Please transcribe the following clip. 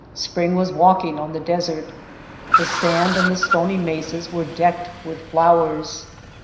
Spring was walking on the desert. The sand and the stony mesas were decked with flowers.